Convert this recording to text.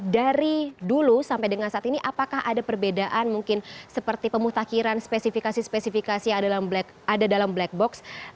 dari dulu sampai dengan saat ini apakah ada perbedaan mungkin seperti pemutakhiran spesifikasi spesifikasi ada dalam black box